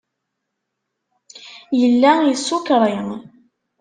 Yella isukṛi.